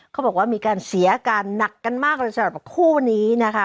เขาบอกว่ามีการเสียอาการหนักกันมากเลยสำหรับคู่นี้นะคะ